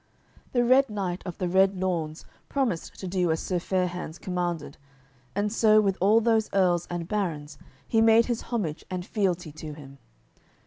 The Red Knight of the Red Lawns promised to do as Sir Fair hands commanded and so with all those earls and barons he made his homage and fealty to him.